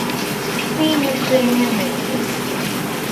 "See Ukrainian Railways"